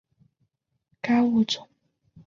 该物种的模式产地在浙江舟山群岛。